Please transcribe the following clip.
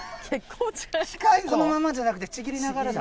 このままじゃなくてちぎりながらだ。